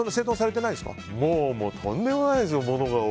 もうとんでもないですよ